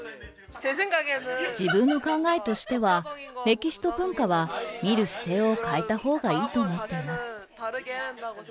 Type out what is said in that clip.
自分の考えとしては、歴史と文化は見る姿勢を変えたほうがいいと思っています。